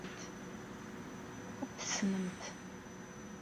Ad t-tessnemt.